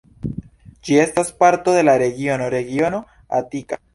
Ĝi estas parto de la regiono regiono Atika.